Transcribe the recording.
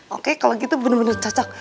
oke kalau gitu bener bener cocok